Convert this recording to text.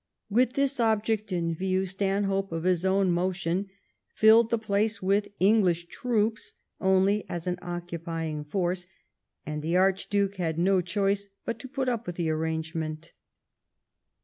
With this object in view. Stanhope, of his own motion, filled the place with English troops only as an occupying force, and the Archduke had no choice but to put up with the arrangement.